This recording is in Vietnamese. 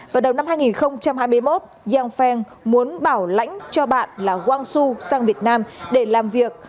vào đầu năm hai nghìn hai mươi một yang feng muốn bảo lãnh cho bạn là wang shu sang việt nam để làm việc